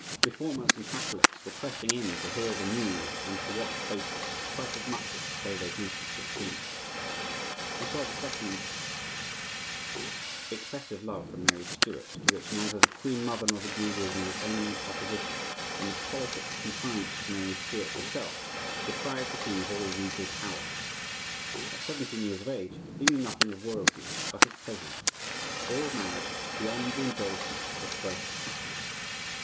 Reformers and Catholics were pressing in to hear the news and to watch faces, quite as much as to pay their duty to the king. Francois II.'s excessive love for Mary Stuart, to which neither the queen mother nor the Guises made any opposition, and the politic compliance of Mary Stuart herself, deprived the king of all regal power. At seventeen years of age he knew nothing of royalty but its pleasures, or of marriage beyond the indulgence of first passion.